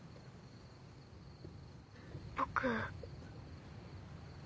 僕。